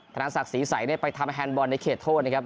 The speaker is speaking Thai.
ธนศักดิ์ศรีใสไปทำแฮนดบอลในเขตโทษนะครับ